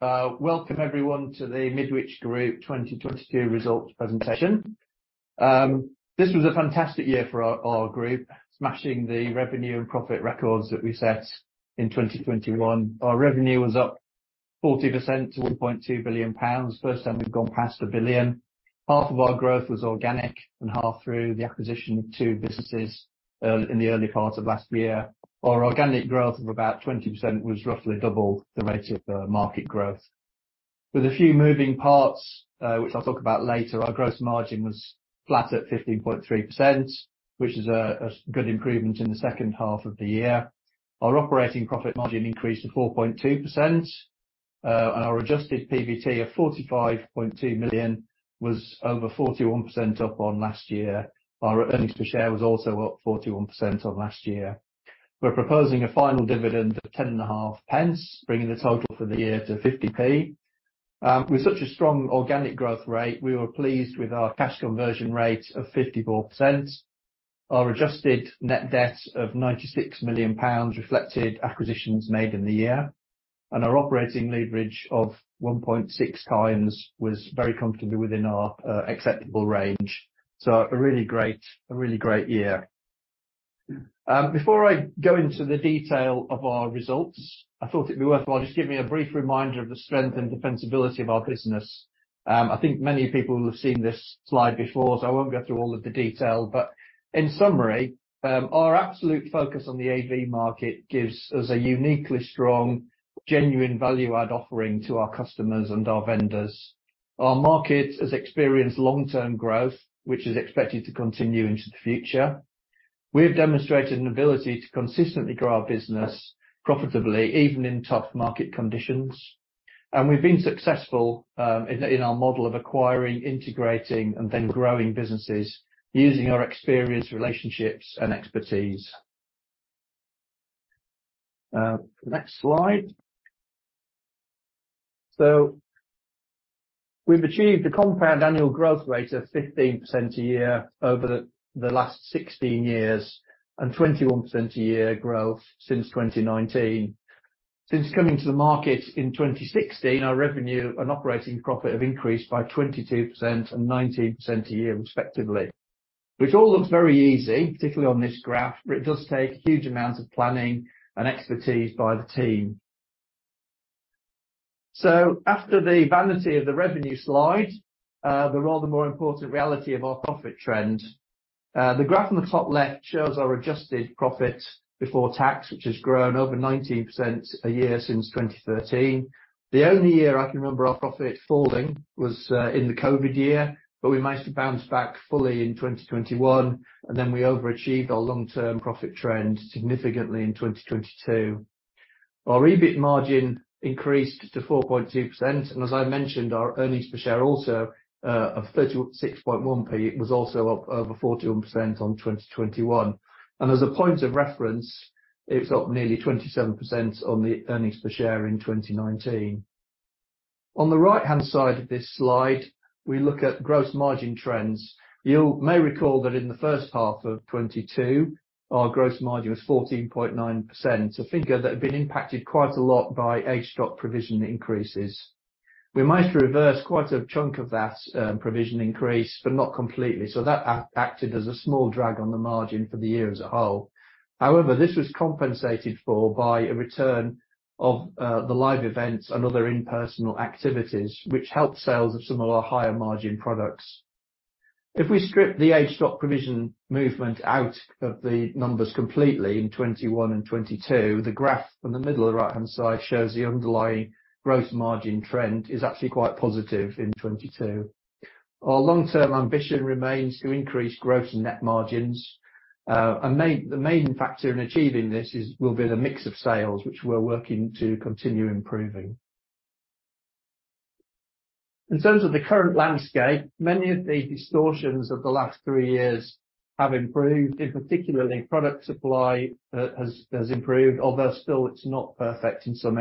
Welcome everyone to the Midwich Group 2022 results presentation. This was a fantastic year for our group, smashing the revenue and profit records that we set in 2021. Our revenue was up 40% to 1.2 billion pounds. First time we've gone past 1 billion. Half of our growth was organic, and half through the acquisition of two businesses in the early part of last year. Our organic growth of about 20% was roughly double the rate of the market growth. With a few moving parts, which I'll talk about later, our gross margin was flat at 15.3%, which is a good improvement in the second half of the year. Our operating profit margin increased to 4.2%. Our Adjusted PBT of 45.2 million was over 41% up on last year. Our earnings per share was also up 41% on last year. We're proposing a final dividend of 10.5p., bringing the total for the year to 15p. With such a strong organic growth rate, we were pleased with our cash conversion rate of 54%. Our adjusted net debt of 96 million pounds reflected acquisitions made in the year, and our operating leverage of 1.6 times was very comfortably within our acceptable range. A really great year. Before I go into the detail of our results, I thought it'd be worthwhile just giving you a brief reminder of the strength and defensibility of our business. I think many people will have seen this slide before, so I won't go through all of the detail, but in summary, our absolute focus on the AV market gives us a uniquely strong, genuine value add offering to our customers and our vendors. Our market has experienced long-term growth, which is expected to continue into the future. We have demonstrated an ability to consistently grow our business profitably, even in tough market conditions. We've been successful in our model of acquiring, integrating, and then growing businesses using our experience, relationships, and expertise. Next slide. We've achieved a compound annual growth rate of 15% a year over the last 16 years and 21% a year growth since 2019. Since coming to the market in 2016, our revenue and operating profit have increased by 22% and 19% a year respectively. All looks very easy, particularly on this graph, but it does take huge amounts of planning and expertise by the team. After the vanity of the revenue slide, the rather more important reality of our profit trend. The graph on the top left shows our Adjusted Profit Before Tax, which has grown over 19% a year since 2013. The only year I can remember our profit falling was in the COVID year, but we managed to bounce back fully in 2021, and then we overachieved our long-term profit trend significantly in 2022. Our EBIT margin increased to 4.2%. As I mentioned, our earnings per share also, of 36.1p was also up over 41% on 2021. As a point of reference, it's up nearly 27% on the earnings per share in 2019. On the right-hand side of this slide, we look at gross margin trends. You may recall that in the first half of 2022, our gross margin was 14.9%, a figure that had been impacted quite a lot by aged stock provision increases. We managed to reverse quite a chunk of that provision increase, but not completely, so that acted as a small drag on the margin for the year as a whole. However, this was compensated for by a return of the live events and other in-person activities, which helped sales of some of our higher margin products. If we strip the aged stock provision movement out of the numbers completely in 21 and 22, the graph on the middle of the right-hand side shows the underlying gross margin trend is actually quite positive in 22. Our long-term ambition remains to increase gross and net margins. The main factor in achieving this will be the mix of sales, which we're working to continue improving. In terms of the current landscape, many of the distortions of the last three years have improved. In particular, product supply has improved, although still it's not perfect in some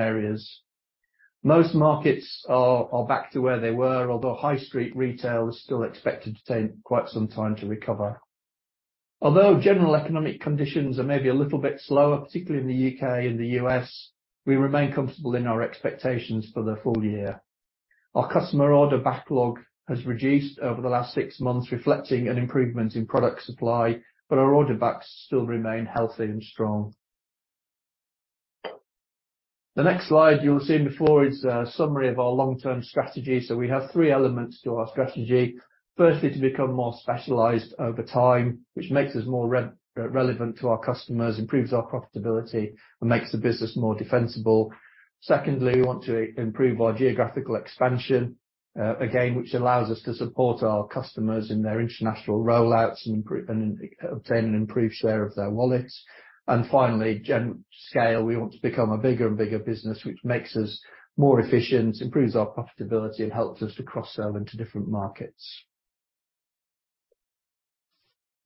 areas. Most markets are back to where they were, although high street retail is still expected to take quite some time to recover. General economic conditions are maybe a little bit slower, particularly in the U.K and the U.S, we remain comfortable in our expectations for the full year. Our customer order backlog has reduced over the last six months, reflecting an improvement in product supply, but our order backs still remain healthy and strong. The next slide you'll have seen before is a summary of our long-term strategy. We have three elements to our strategy. Firstly, to become more specialized over time, which makes us more relevant to our customers, improves our profitability and makes the business more defensible. Secondly, we want to improve our geographical expansion, again, which allows us to support our customers in their international rollouts and obtain an improved share of their wallets. Finally, scale. We want to become a bigger and bigger business, which makes us more efficient, improves our profitability, and helps us to cross-sell into different markets.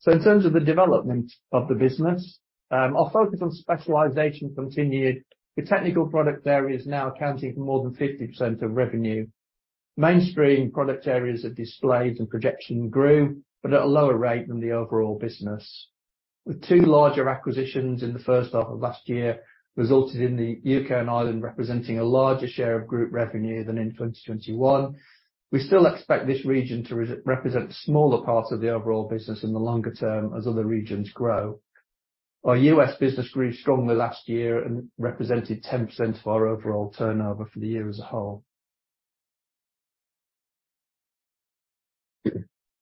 In terms of the development of the business, our focus on specialization continued, with technical product areas now accounting for more than 50% of revenue. Mainstream product areas of displays and projection grew, but at a lower rate than the overall business. With two larger acquisitions in the first half of last year resulted in the U.K. and Ireland representing a larger share of group revenue than in 2021. We still expect this region to represent a smaller part of the overall business in the longer term as other regions grow. Our US business grew strongly last year and represented 10% of our overall turnover for the year as a whole.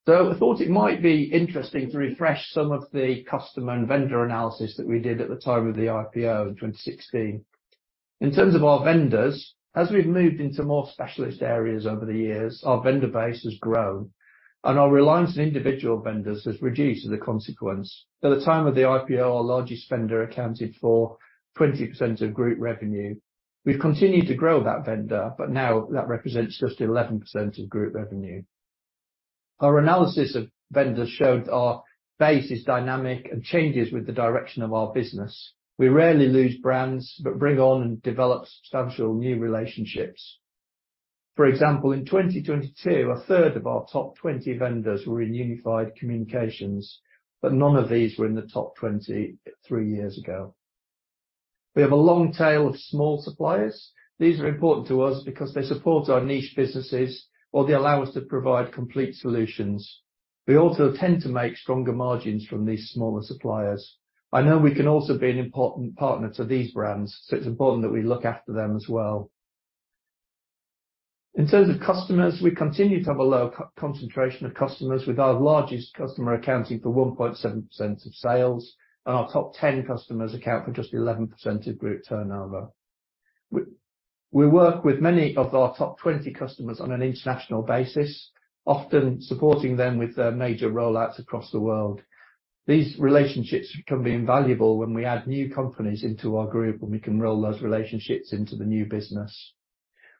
I thought it might be interesting to refresh some of the customer and vendor analysis that we did at the time of the IPO in 2016. In terms of our vendors, as we've moved into more specialist areas over the years, our vendor base has grown, and our reliance on individual vendors has reduced as a consequence. At the time of the IPO, our largest vendor accounted for 20% of group revenue. We've continued to grow that vendor, but now that represents just 11% of group revenue. Our analysis of vendors showed our base is dynamic and changes with the direction of our business. We rarely lose brands, but bring on and develop substantial new relationships. For example, in 2022, a third of our top 20 vendors were in Unified Communications, but none of these were in the top 20 three-years ago. We have a long tail of small suppliers. These are important to us because they support our niche businesses, or they allow us to provide complete solutions. We also tend to make stronger margins from these smaller suppliers. I know we can also be an important partner to these brands. It's important that we look after them as well. In terms of customers, we continue to have a low co-concentration of customers, with our largest customer accounting for 1.7% of sales. Our top 10 customers account for just 11% of group turnover. We work with many of our top 20 customers on an international basis, often supporting them with their major rollouts across the world. These relationships can be invaluable when we add new companies into our group, and we can roll those relationships into the new business.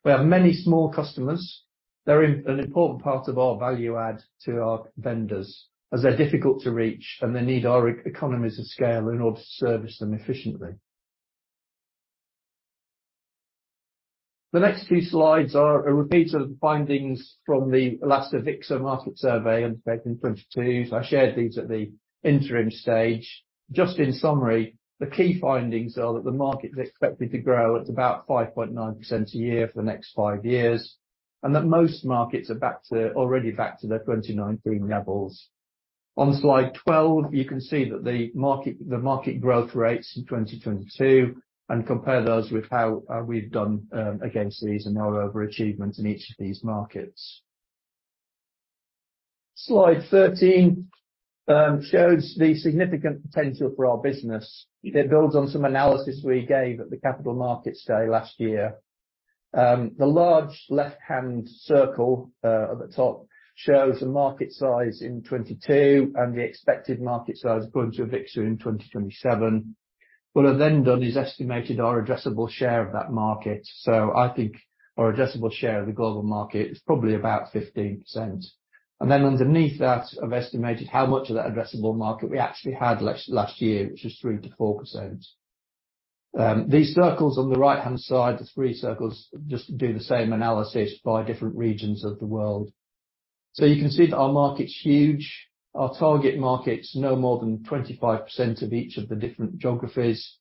We have many small customers. They're an important part of our value add to our vendors as they're difficult to reach, and they need our economies of scale in order to service them efficiently. The next few slides are a repeat of the findings from the last AVIXA market survey undertaken in 2022. I shared these at the interim stage. Just in summary, the key findings are that the market is expected to grow at about 5.9% a year for the next five-years, most markets are already back to their 2019 levels. Slide 12, you can see that the market growth rates in 2022 and compare those with how we've done against these and our overachievement in each of these markets. Slide 13 shows the significant potential for our business. It builds on some analysis we gave at the capital markets day last year. The large left-hand circle at the top shows the market size in 2022 and the expected market size according to AVIXA in 2027. What I've then done is estimated our addressable share of that market. I think our addressable share of the global market is probably about 15%. Then underneath that, I've estimated how much of that addressable market we actually had last year, which is 3%-4%. These circles on the right-hand side, the three circles, just do the same analysis by different regions of the world. You can see that our market's huge. Our target market's no more than 25% of each of the different geographies.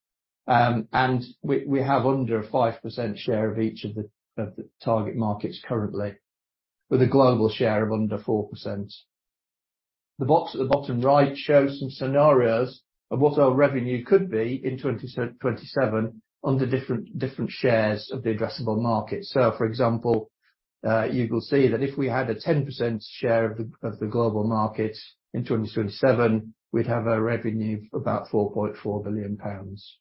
And we have under a 5% share of each of the, of the target markets currently, with a global share of under 4%. The box at the bottom right shows some scenarios of what our revenue could be in 2027 under different shares of the addressable market. For example, you will see that if we had a 10% share of the, of the global market in 2027, we'd have a revenue of about 4.4 billion pounds.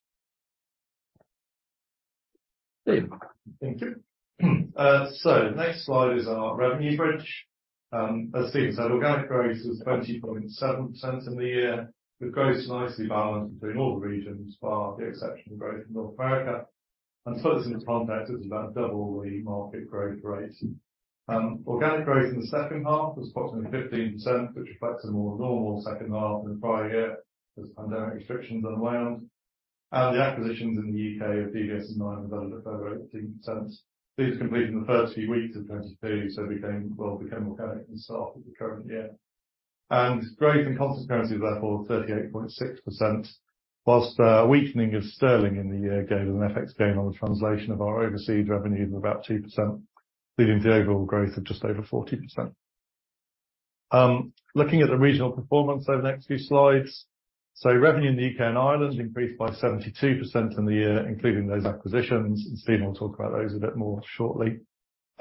Stephen. Thank you. Next slide is our revenue bridge. As Stephen said, organic growth was 20.7% in the year, with growth nicely balanced between all the regions bar the exceptional growth in North America. To put this into context, it's about double the market growth rate. Organic growth in the second half was approximately 15%, which reflects a more normal second half than the prior year as pandemic restrictions unwound. The acquisitions in the U.K. of DVS and Nimans delivered a further 18%. These were completed in the first few weeks of 2022, so became organic from the start of the current year. Growth in constant currency was therefore 38.6%, whilst a weakening of sterling in the year gave us an FX gain on the translation of our overseas revenue of about 2%, leading to overall growth of just over 40%. Looking at the regional performance over the next few slides. Revenue in the U.K. And Ireland increased by 72% in the year, including those acquisitions, and Stephen will talk about those a bit more shortly.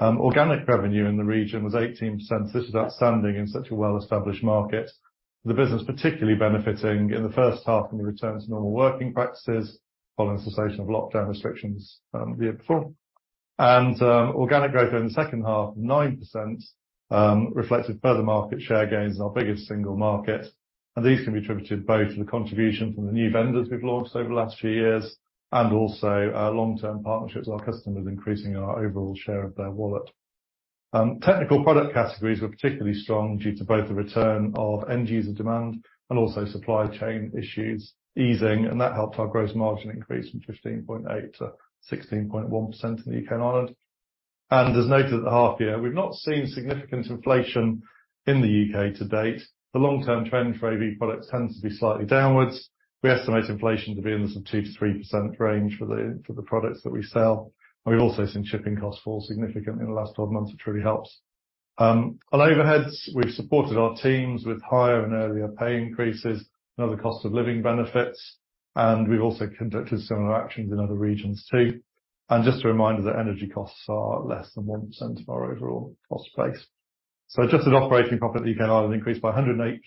Organic revenue in the region was 18%. This is outstanding in such a well-established market. The business particularly benefiting in the first half from the return to normal working practices following the cessation of lockdown restrictions, the year before. Organic growth during the second half, 9%, reflected further market share gains in our biggest single market. These can be attributed both to the contribution from the new vendors we've launched over the last few years and also our long-term partnerships with our customers increasing our overall share of their wallet. Technical product categories were particularly strong due to both the return of end-user demand and also supply chain issues easing, and that helped our gross margin increase from 15.8% to 16.1% in the U.K. and Ireland. As noted at the half year, we've not seen significant inflation in the U.K. to date. The long-term trend for AV products tends to be slightly downwards. We estimate inflation to be in the sort of 2%-3% range for the products that we sell. We've also seen shipping costs fall significantly in the last 12 months, which really helps. On overheads, we've supported our teams with higher and earlier pay increases and other cost of living benefits, and we've also conducted similar actions in other regions too. Just a reminder that energy costs are less than 1% of our overall cost base. Adjusted operating profit in U.K. and Ireland increased by 108%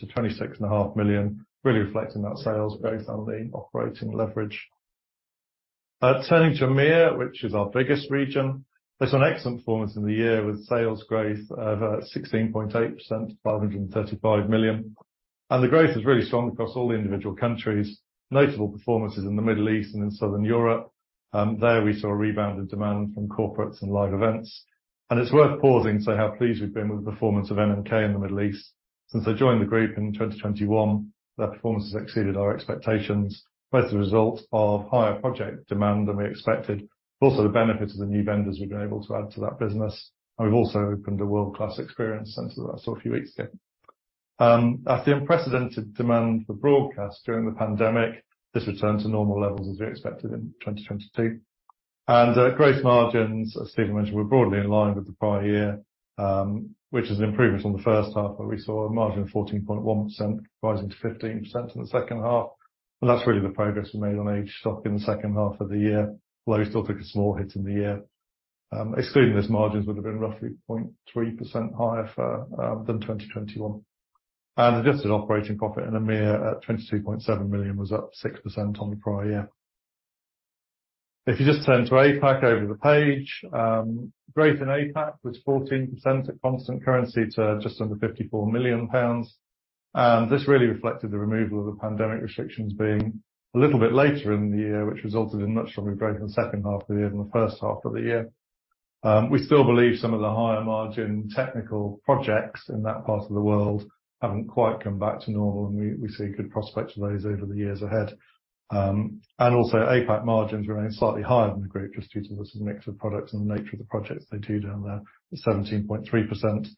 to 26.5 million, really reflecting that sales growth and the operating leverage. Turning to MEA, which is our biggest region. It's an excellent performance in the year, with sales growth over 16.8% to 535 million. The growth is really strong across all the individual countries. Notable performances in the Middle East and in Southern Europe. There we saw a rebound in demand from corporates and live events. It's worth pausing to say how pleased we've been with the performance of NMK in the Middle East. Since they joined the group in 2021, their performance has exceeded our expectations, both as a result of higher project demand than we expected, but also the benefit of the new vendors we've been able to add to that business. We've also opened a world-class experience center that I saw a few weeks ago. After the unprecedented demand for broadcast during the pandemic, this returned to normal levels as we expected in 2022. Gross margins, as Stephen mentioned, were broadly in line with the prior year, which is an improvement on the first half where we saw a margin of 14.1% rising to 15% in the second half. That's really the progress we made on aged stock in the second half of the year. Although we still took a small hit in the year. Excluding this, margins would have been roughly 0.3% higher than 2021. Adjusted operating profit in MEA at 22.7 million was up 6% on the prior year. If you just turn to APAC over the page, growth in APAC was 14% at constant currency to just under 54 million pounds. This really reflected the removal of the pandemic restrictions being a little bit later in the year, which resulted in much stronger growth in the second half of the year than the first half of the year. We still believe some of the higher margin technical projects in that part of the world haven't quite come back to normal, and we see good prospects for those over the years ahead. APAC margins remain slightly higher than the group just due to the mix of products and the nature of the projects they do down there, at 17.3%.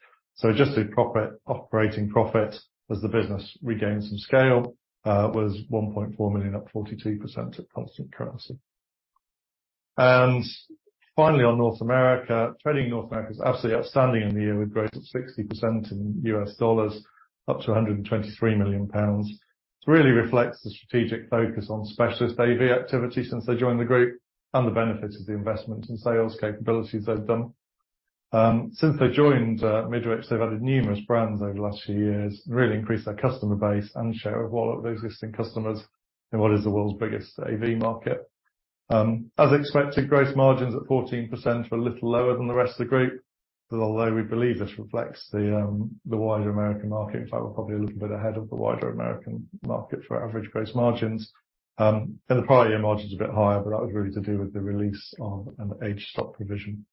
Adjusted profit, operating profit, as the business regained some scale, was 1.4 million, up 42% at constant currency. Finally, on North America. Trading in North America was absolutely outstanding in the year, with growth of 60% in US dollars, up to 123 million pounds. This really reflects the strategic focus on specialist AV activity since they joined the group, and the benefit is the investment in sales capabilities they've done. Since they joined Midwich, they've added numerous brands over the last few years, really increased their customer base and share of wallet with existing customers in what is the world's biggest AV market. As expected, gross margins at 14% were a little lower than the rest of the group, although we believe this reflects the wider American market. In fact, we're probably a little bit ahead of the wider American market for average gross margins. The prior year margin is a bit higher, but that was really to do with the release of an aged stock provision.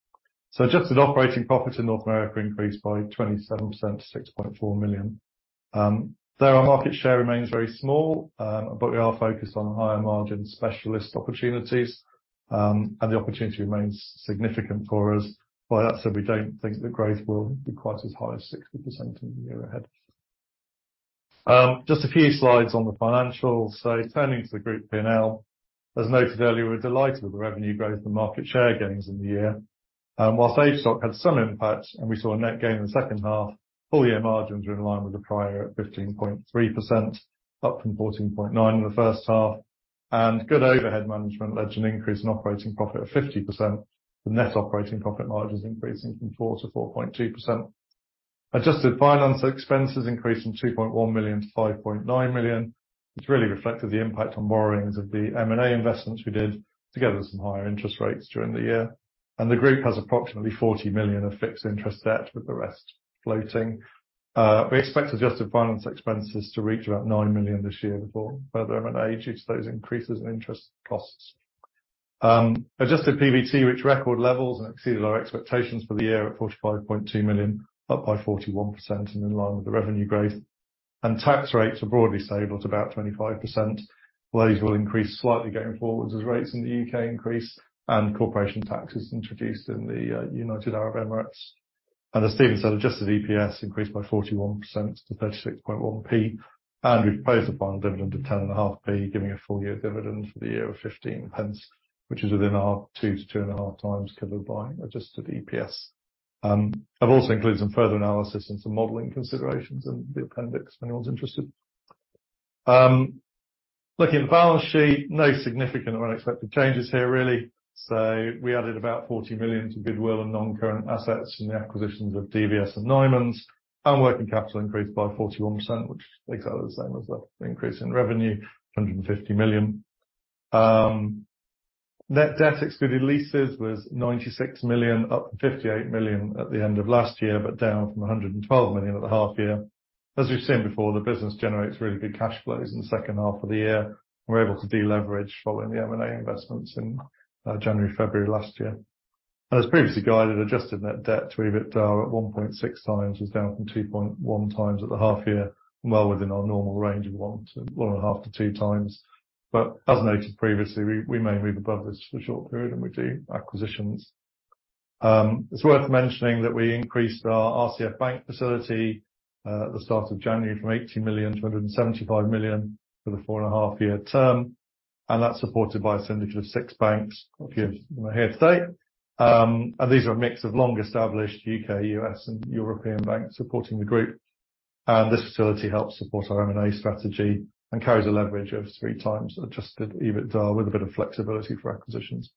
Adjusted operating profits in North America increased by 27% to $6.4 million. There, our market share remains very small, but we are focused on higher margin specialist opportunities, and the opportunity remains significant for us. That said, we don't think the growth will be quite as high as 60% in the year ahead. Just a few slides on the financials. Turning to the group P&L. As noted earlier, we're delighted with the revenue growth and market share gains in the year. While aged stock had some impact and we saw a net gain in the second half, full year margins are in line with the prior at 15.3%, up from 14.9% in the first half. Good overhead management led to an increase in operating profit of 50%, the net operating profit margins increasing from 4% to 4.2%. Adjusted finance expenses increased from 2.1 million-5.9 million, which really reflected the impact on borrowings of the M&A investments we did, together with some higher interest rates during the year. The group has approximately 40 million of fixed interest debt, with the rest floating. We expect adjusted finance expenses to reach about 9 million this year before, whether an age due to those increases in interest costs. Adjusted PBT, which record levels and exceeded our expectations for the year at 45.2 million, up by 41% and in line with the revenue growth. Tax rates are broadly stable at about 25%, although these will increase slightly going forwards as rates in the U.K. increase and corporation tax is introduced in the United Arab Emirates. As Stephen said, Adjusted EPS increased by 41% to 36.1p. We've proposed a final dividend of ten and a half p, giving a full year dividend for the year of 15p., which is within our 2-2.5x covered by Adjusted EPS. I've also included some further analysis and some modeling considerations in the appendix if anyone's interested. Looking at the balance sheet, no significant or unexpected changes here really. We added about 40 million to goodwill and non-current assets in the acquisitions of DVS and Nimans. Working capital increased by 41%, which is exactly the same as the increase in revenue, 150 million. Net debt excluding leases was 96 million, up from 58 million at the end of last year, but down from 112 million at the half year. As you've seen before, the business generates really good cash flows in the second half of the year. We're able to deleverage following the M&A investments in January, February last year. As previously guided, adjusted net debt to EBITDA at 1.6x was down from 2.1x at the half year, well within our normal range of 1.5x-2x. As noted previously, we may move above this for a short period when we do acquisitions. It's worth mentioning that we increased our RCF bank facility at the start of January from 80 million to 175 million for the four-and-a-half year term. That's supported by a syndicate of six banks, a few of whom are here today. These are a mix of long-established U.K., U.S., and European banks supporting the group. This facility helps support our M&A strategy and carries a leverage of 3x Adjusted EBITDA with a bit of flexibility for acquisitions.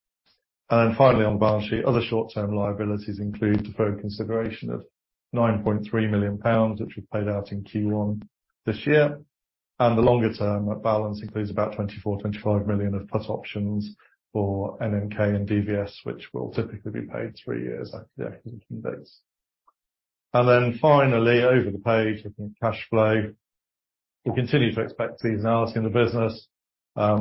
Finally, on balance sheet, other short-term liabilities include deferred consideration of 9.3 million pounds, which we paid out in Q1 this year. The longer-term balance includes about 24 million-25 million of put options for NMK and DVS, which will typically be paid three years after the acquisition dates. Finally, over the page, looking at cash flow. We continue to expect seasonality in the business,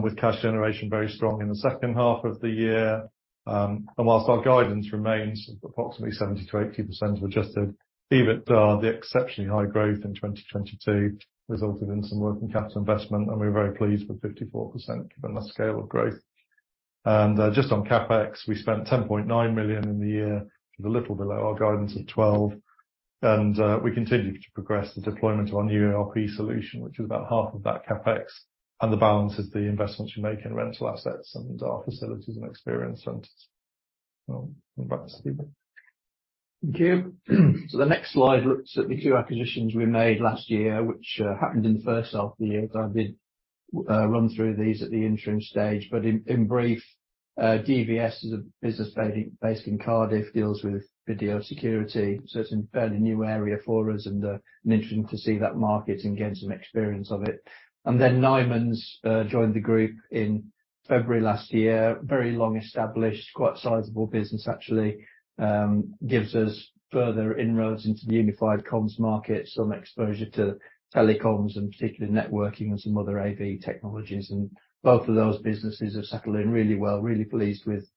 with cash generation very strong in the second half of the year. Whilst our guidance remains approximately 70%-80% of Adjusted EBITDA, the exceptionally high growth in 2022 resulted in some working capital investment, we're very pleased with 54% given the scale of growth. Just on CapEx, we spent 10.9 million in the year. A little below our guidance of 12 million. We continue to progress the deployment of our new ERP solution, which is about half of that CapEx. The balance is the investments we make in rental assets and our facilities and experience centers. Back to Stephen. Thank you. The next slide looks at the two acquisitions we made last year, which happened in the first half of the year. I did run through these at the interim stage. In brief, DVS is a business based in Cardiff, deals with video security, so it's a fairly new area for us, and an interesting to see that market and gain some experience of it. Nimans joined the group in February last year. Very long-established, quite sizable business actually. Gives us further inroads into the Unified Comms market, some exposure to telecoms and particularly networking and some other AV technologies. Both of those businesses have settled in really well. Really pleased with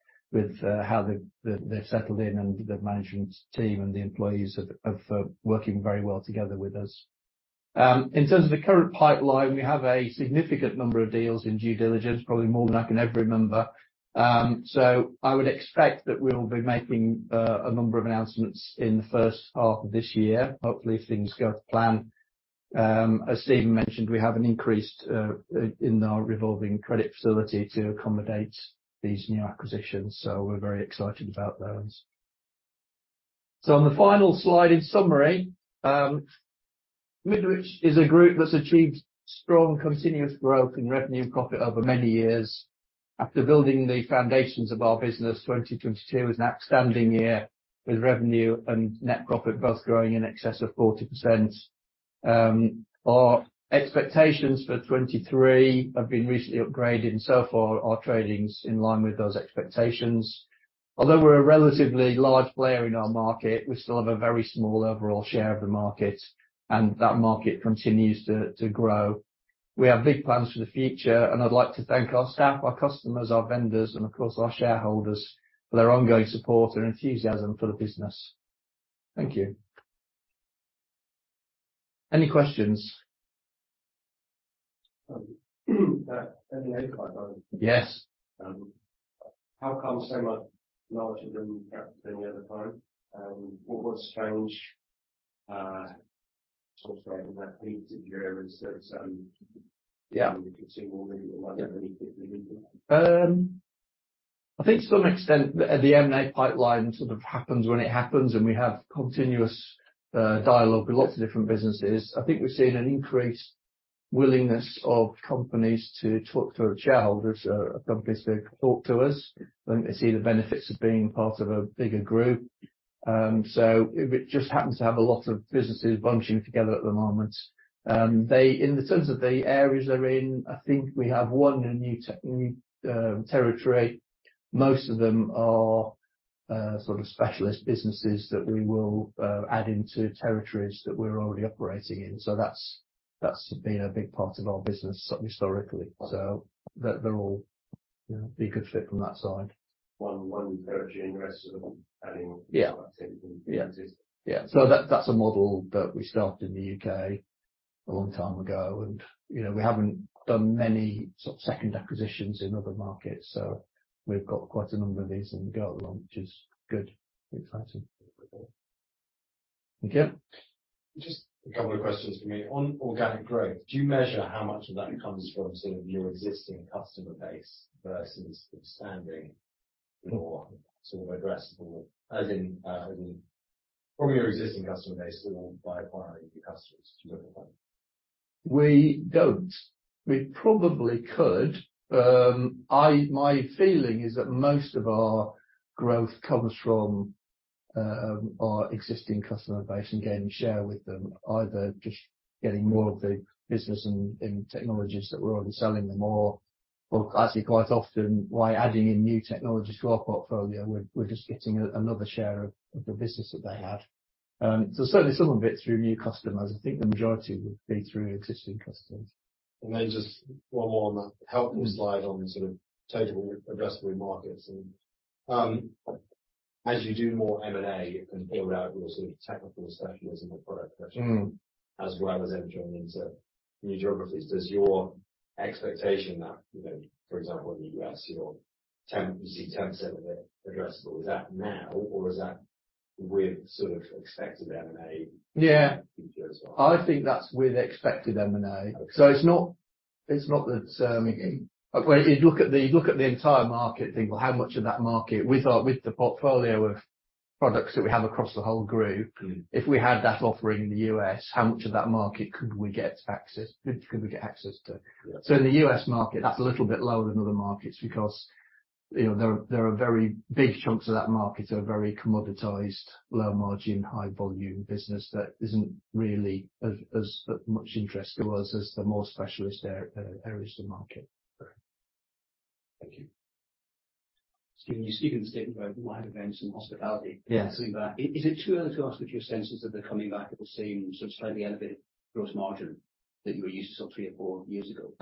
how they've settled in and the management team and the employees have working very well together with us. In terms of the current pipeline, we have a significant number of deals in due diligence, probably more than I can ever remember. I would expect that we'll be making a number of announcements in the first half of this year, hopefully, if things go to plan. As Stephen mentioned, we have an increased in our revolving credit facility to accommodate these new acquisitions, we're very excited about those. On the final slide, in summary, Midwich is a group that's achieved strong continuous growth in revenue and profit over many years. After building the foundations of our business, 2022 was an outstanding year, with revenue and net profit both growing in excess of 40%. Our expectations for 2023 have been recently upgraded, and so far our trading's in line with those expectations. Although we're a relatively large player in our market, we still have a very small overall share of the market, that market continues to grow. We have big plans for the future, I'd like to thank our staff, our customers, our vendors, and of course, our shareholders for their ongoing support and enthusiasm for the business. Thank you. Any questions? The M&A pipeline. Yes. How come so much larger than any other time? What's changed, sort of in that procedure instead of Yeah. You can see more than you might have any. I think to some extent the M&A pipeline sort of happens when it happens, and we have continuous dialogue with lots of different businesses. I think we've seen an increased willingness of companies to talk to shareholders, companies to talk to us when they see the benefits of being part of a bigger group. It just happens to have a lot of businesses bunching together at the moment. In the terms of the areas they're in, I think we have one in a new territory. Most of them are sort of specialist businesses that we will add into territories that we're already operating in. That's been a big part of our business historically. They're all, you know, be a good fit from that side. One territory and the rest of them. Yeah. Teams and businesses. Yeah. That's a model that we started in the U.K. a long time ago. You know, we haven't done many sort of second acquisitions in other markets. We've got quite a number of these on the go at the moment, which is good. Exciting. Thank you. Just a couple of questions for me. On organic growth, do you measure how much of that comes from sort of your existing customer base versus expanding more sort of addressable? As in from your existing customer base or by acquiring new customers? Do you know what I mean? We don't. We probably could. My feeling is that most of our growth comes from our existing customer base and gaining share with them, either just getting more of the business in technologies that we're already selling them or actually quite often by adding in new technologies to our portfolio. We're just getting another share of the business that they have. Certainly some of it's through new customers. I think the majority would be through existing customers. Just one more on that. The helpful slide on sort of total addressable markets and as you do more M&A and build out your sort of technical specialism or product as well as entering into new geographies, does your expectation that, you know, for example, in the U.S., you see 10% of it addressable, is that now or is that with sort of expected M&A? Yeah. Feature as well? I think that's with expected M&A. Okay. It's not that When you look at the entire market and think, well, how much of that market we thought with the portfolio of products that we have across the whole group. Mm. If we had that offering in the U.S., how much of that market could we get access to? Yeah. In the US market, that's a little bit lower than other markets because, you know, there are very big chunks of that market are very commoditized, low margin, high volume business that isn't really of as much interest to us as the more specialist areas of the market. Right. Thank you. Stephen, you speak in the statement about live events and hospitality. Yes. Is it too early to ask if your senses of the coming back of the same sort of slightly elevated gross margin that you were used to sort of three or four years ago?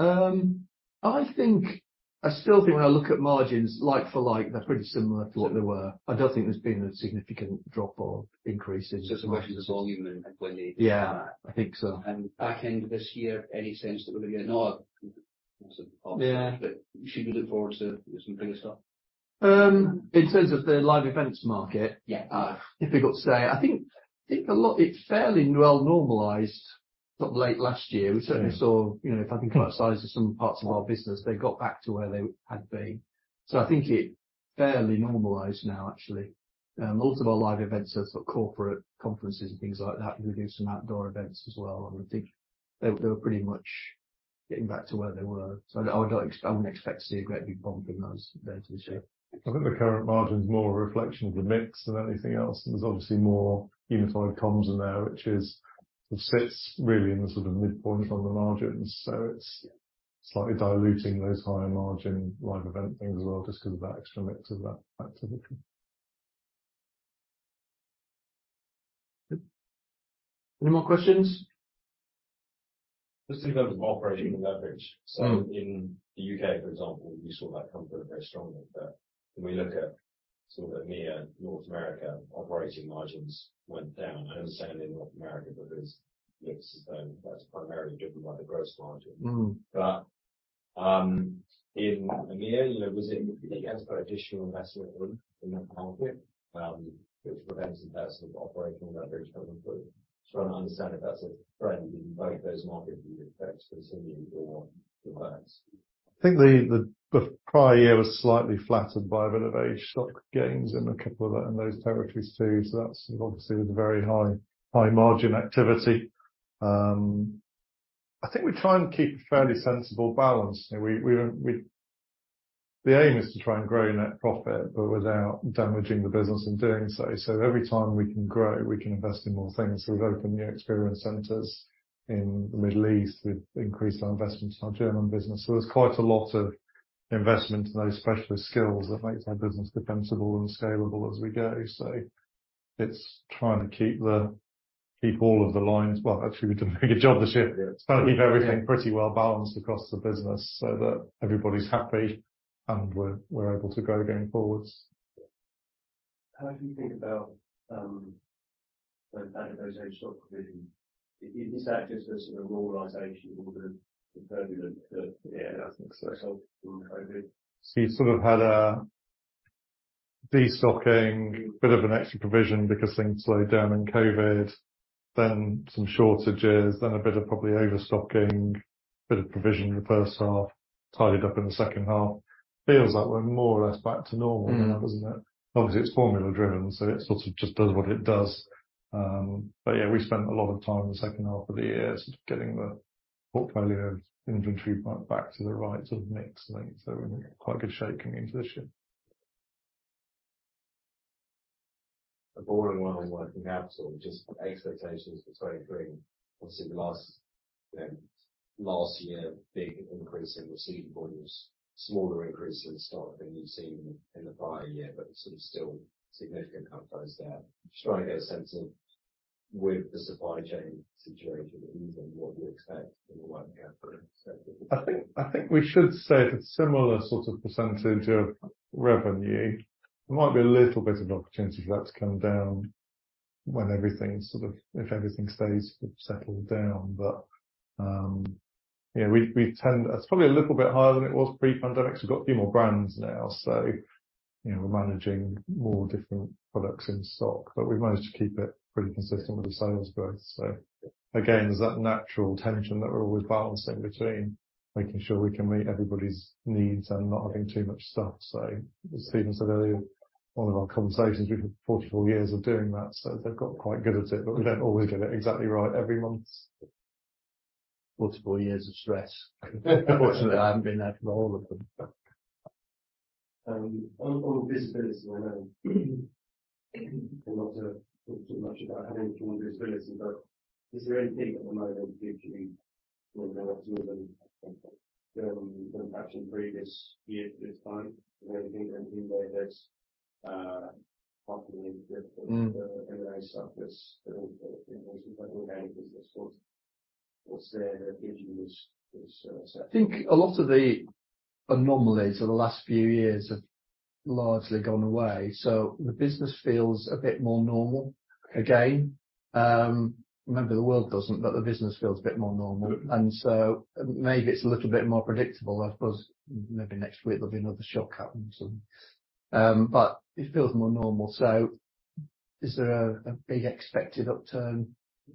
I still think when I look at margins, like for like, they're pretty similar to what they were. I don't think there's been a significant drop or increase in It's a question of volume and when they. Yeah, I think so. Back end of this year, any sense that should we look forward to some bigger stuff? In terms of the live events. Yeah. Difficult to say. I think it's fairly well normalized. Late last year. Yeah. We certainly saw, you know, if I think about the size of some parts of our business, they got back to where they had been. I think it fairly normalized now, actually. Lots of our live events are sort of corporate conferences and things like that. We do some outdoor events as well. I think they were pretty much getting back to where they were. I wouldn't expect to see a great big bump in those events this year. I think the current margin is more a reflection of the mix than anything else. There's obviously more Unified Comms in there, which is, sits really in the sort of midpoint on the margins. It's slightly diluting those higher margin live event things as well, just because of that extra mix of that activity. Any more questions? Just in terms of operating leverage. Mm. In the U.K., for example, you saw that come through very strongly. When we look at sort of EMEA, North America, operating margins went down. I understand in North America, because that's primarily driven by the gross margin. Mm. In EMEA, you know, do you guys put additional investment in that market, which prevents the best of operating leverage coming through? Trying to understand if that's a trend in both those markets you expect to continue or reverse. I think the prior year was slightly flattered by a bit of aged stock provision in a couple of in those territories too. That's obviously with a very high margin activity. I think we try and keep a fairly sensible balance. You know, The aim is to try and grow net profit, but without damaging the business in doing so. Every time we can grow, we can invest in more things. We've opened new experience centers in the Middle East. We've increased our investment in our German business. There's quite a lot of investment in those specialist skills that makes our business defensible and scalable as we go. It's trying to keep all of the lines. Well, actually, we've done a good job this year. It's trying to keep everything pretty well balanced across the business so that everybody's happy and we're able to grow going forwards. How do you think about the impact of those aged stock provisions? Is that just a sort of normalization of the turbulent yeah, I think so from COVID? You sort of had a destocking, bit of an extra provision because things slowed down in COVID, then some shortages, then a bit of probably overstocking, bit of provision in the first half, tidied up in the second half. Feels like we're more or less back to normal now, doesn't it? Obviously, it's formula driven, so it sort of just does what it does. Yeah, we spent a lot of time in the second half of the year sort of getting the portfolio inventory part back to the right sort of mix. We're in quite good shape coming into this year. Borrowing on working capital, just expectations for 2023. Obviously the last, you know, last year, big increase in receiving volumes, smaller increase in stock than you've seen in the prior year, but sort of still significant outflows there. Just trying to get a sense of where the supply chain situation eases and what you expect in the working capital? I think we should say it's a similar sort of percentage of revenue. There might be a little bit of opportunity for that to come down when everything stays settled down. Yeah, we tend. It's probably a little bit higher than it was pre-pandemic. We've got a few more brands now. You know, we're managing more different products in stock, but we've managed to keep it pretty consistent with the sales growth. Again, there's that natural tension that we're always balancing between making sure we can meet everybody's needs and not having too much stuff. As Stephen said earlier, one of our conversations, we've got 44 years of doing that, so they've got quite good at it, but we don't always get it exactly right every month. 44 years of stress. Fortunately, I haven't been there for all of them. On visibility, I know not to talk too much about anything on visibility, but is there anything at the moment gives you more optimism than perhaps in previous years at this time? Is there anything in the way that's happening that. Mm. What's there that gives you this. I think a lot of the anomalies of the last few years have largely gone away. The business feels a bit more normal again. Remember, the world doesn't. The business feels a bit more normal. Mm. Maybe it's a little bit more predictable. I suppose maybe next week there'll be another shock happen or something. It feels more normal. Is there a big expected upturn?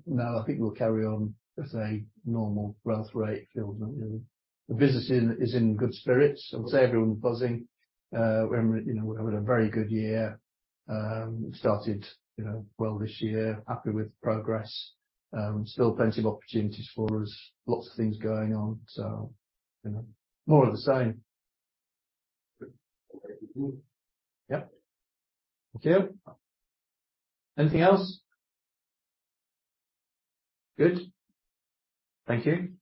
No, I think we'll carry on with a normal growth rate. Feels like, you know. The business is in good spirits. I would say everyone's buzzing. We're, you know, we're having a very good year. Started, you know, well this year. Happy with progress. Still plenty of opportunities for us. Lots of things going on. You know, more of the same. Great. Yeah. Thank you. Anything else? Good. Thank you.